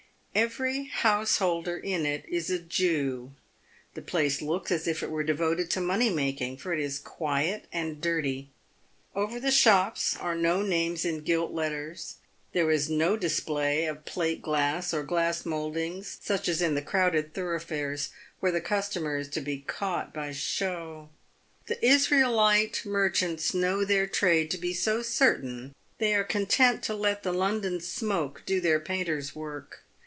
Every householder in it is a Jew. The place looks as if it were devoted to money making, for it is quiet and dirty. Over the shops are no names in gilt letters ; there is no display of plate glass, or glass mouldings, such as in the crowded thoroughfares where the customer is to be caught by show. The Israelite merchants know their trade to be so certain, they are con tent to let the London smoke do their painter's work.